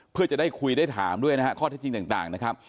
เพื่อจะได้คุยได้ถามด้วยนะฮะข้อเท็จจริงต่างนะครับ